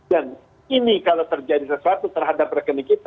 dan ini kalau terjadi sesuatu terhadap rekening kita